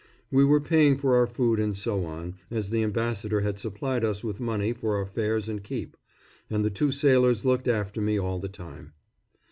We were paying for our food and so on, as the Ambassador had supplied us with money for our fares and keep, and the two sailors looked after me all the time.